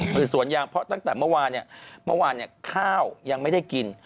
หรือสวนยางเพราะตั้งแต่เมื่อวานเนี่ยเมื่อวานเนี่ยข้าวยังไม่ได้กิน